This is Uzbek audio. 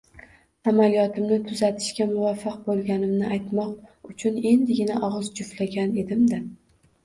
samolyotimni tuzatishga muvaffaq bo‘lganimni aytmoq uchun endigina og‘iz juftlagan edim-da!